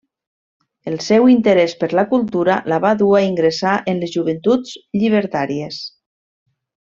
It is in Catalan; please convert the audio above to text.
El seu interès per la cultura la va dur a ingressar en les Joventuts Llibertàries.